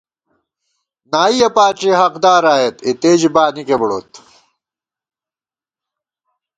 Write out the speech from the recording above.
نائیَہ پاݪی حقدار آئېت اِتے ژِی بانِکےبُڑوت